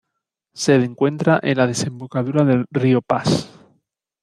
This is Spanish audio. Se encuentra en la desembocadura del río Pas.